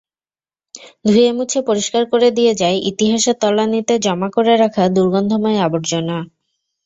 ধুয়েমুছে পরিষ্কার করে দিয়ে যায় ইতিহাসের তলানিতে জমা করে রাখা দুর্গন্ধময় আবর্জনা।